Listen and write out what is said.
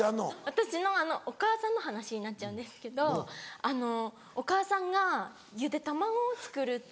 私のお母さんの話になっちゃうんですけどお母さんがゆで卵を作るって。